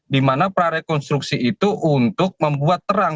dimana prarekonstruksi itu untuk membuat terang